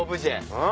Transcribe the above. うん。